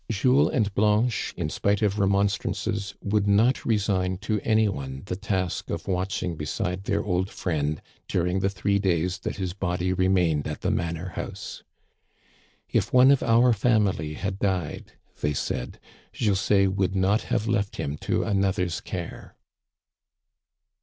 Jules and Blanche, in spite of remonstrances, would not resign to any one the task of watching beside their Digitized by VjOOQIC CONCLUSION. 285 old friend during the three days that his body remained at the manor house. " If one of our family had died," they said, " Jules would not have left him to another's care."